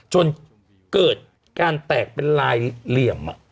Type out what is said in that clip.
จนเกิดการแตกเป็นลายเหลี่ยม